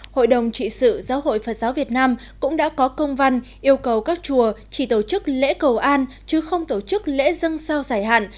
hội đồng trị sự giáo hội phật giáo việt nam cũng đã có công văn yêu cầu các chùa chỉ tổ chức lễ cầu an chứ không tổ chức lễ dân sao giải hạn